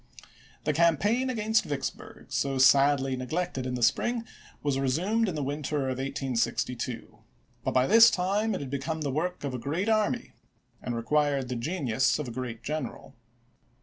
The campaign against Vicksburg, so sadly neg lected in the spring, was resumed in the winter of 1862 ; but by this time it had become the work of a great army and required the genius of a great general.